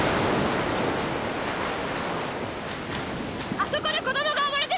あそこで子供がおぼれてます！